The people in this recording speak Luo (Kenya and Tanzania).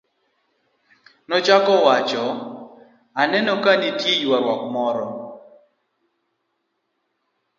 nochako wacho, aneno ka nitie ywaruok moro